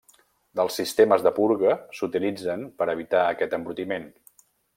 Dels sistemes de purga s'utilitzen per evitar aquest embrutiment.